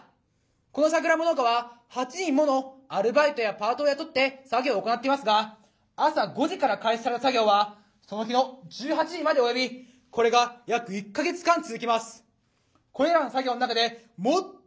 このさくらんぼ農家は８人ものアルバイトやパートを雇って作業を行っていますが朝５時から開始される作業はその日の１８時まで及びこれが約１か月間続きます。